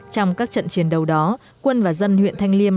trong các trận chiến đấu đó quân và dân huyện thanh liêm